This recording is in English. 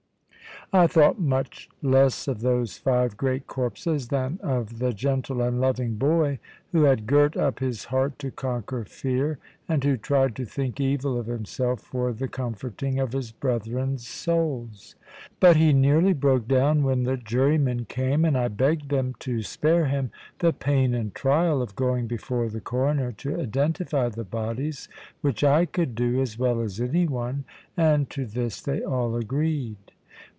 I thought much less of those five great corpses than of the gentle and loving boy who had girt up his heart to conquer fear, and who tried to think evil of himself for the comforting of his brethren's souls. But he nearly broke down when the jurymen came; and I begged them to spare him the pain and trial of going before the Coroner to identify the bodies, which I could do, as well as any one; and to this they all agreed.